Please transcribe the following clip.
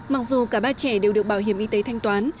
mặc dù cả ba trẻ đều được bảo hiểm y tế thanh toán